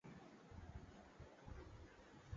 এটাকে থামাতে পারব না আমরা।